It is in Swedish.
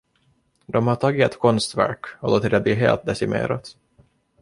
De har tagit ett konstverk och låtit det bli helt decimerat.